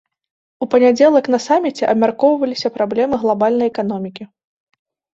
У панядзелак на саміце абмяркоўваліся праблемы глабальнай эканомікі.